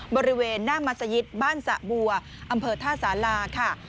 บริเวณหน้ามัศยิตบ้านสะบัวอำเภอท่าสาราค่ะ